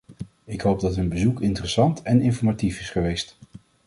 Ik hoop dat hun bezoek interessant en informatief is geweest.